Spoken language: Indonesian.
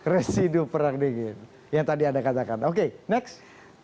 residu perang dingin yang tadi anda katakan oke next